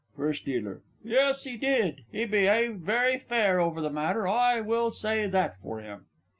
FIRST D. Yes, he did he beyaved very fair over the matter, I will say that for him.